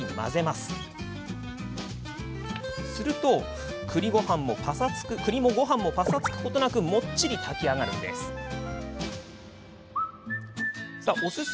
すると、くりもごはんもぱさつくことなくもっちり炊き上がるんです。